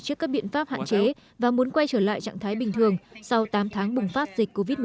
trước các biện pháp hạn chế và muốn quay trở lại trạng thái bình thường sau tám tháng bùng phát dịch covid một mươi chín